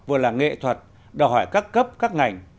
kỹ thuật đào hỏi các cấp các ngành